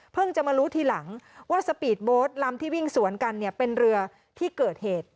จะมารู้ทีหลังว่าสปีดโบสต์ลำที่วิ่งสวนกันเนี่ยเป็นเรือที่เกิดเหตุ